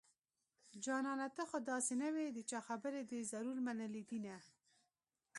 جانانه ته خو داسې نه وي د چا خبرې دې ضرور منلي دينه